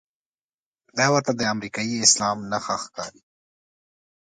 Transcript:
دا ورته د امریکايي اسلام نښه ښکاري.